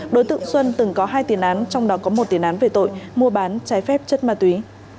đối tượng xuân từng có hai tiền án trong đó có một tiền án về tội mua bán trái phép chất ma túy